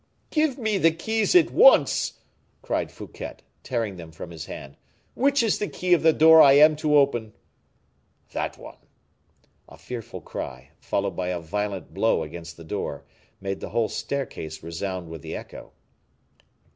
"Give me the keys at once!" cried Fouquet, tearing them from his hand. "Which is the key of the door I am to open?" "That one." A fearful cry, followed by a violent blow against the door, made the whole staircase resound with the echo.